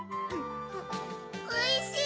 おいしい！